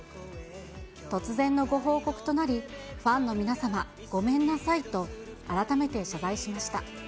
突然のご報告となり、ファンの皆様、ごめんなさいと改めて謝罪しました。